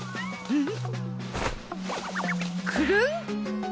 うん。